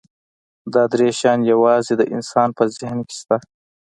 دا درې شیان یواځې د انسان په ذهن کې شته.